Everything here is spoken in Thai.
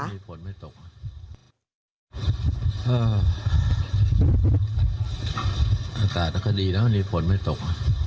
อาจารย์ก็ดีแล้วอันนี้ผลไม่ตก